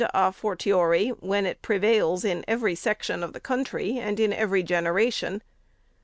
a fortiori, when it prevails in every section of the country, and in every generation.